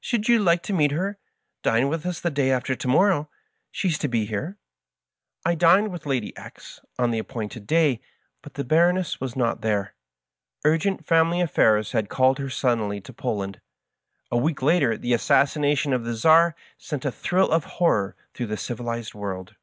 Should you like to meet her? Dine with us the day after to morrow. She is to be here." I dined at Lady X ^'s on the appointed 'day, but the Baroness was not there. Urgent family affairs had called her suddenly to Poland. A week later the assassination of the Czar sent a thrill of horror through the civilized world.